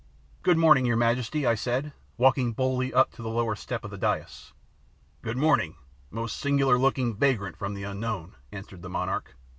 "Good morning, your majesty," I said, walking boldly up to the lower step of the dais. "Good morning, most singular looking vagrant from the Unknown," answered the monarch.